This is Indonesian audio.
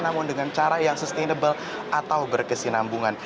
namun dengan cara yang sustainable atau berkesinambungan